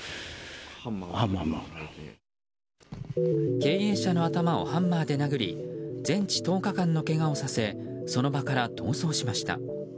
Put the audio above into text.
経営者の頭をハンマーで殴り全治１０日間のけがをさせその場から逃走しました。